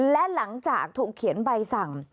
และหลังจากถูกเขียนใบสั่ง